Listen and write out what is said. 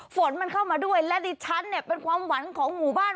ฝนมันเข้ามาด้วยและดิฉันเนี่ยเป็นความหวังของหมู่บ้าน